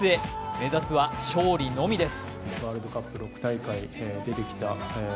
目指すは勝利のみです。